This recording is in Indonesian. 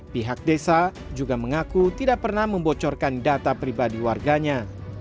pihak desa juga mengaku tidak pernah membocorkan data pribadi warganya